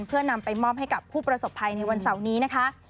เพื่อนำไปมอบให้กับผู้ประสบภัยในวันเสาร์นี้นะคะ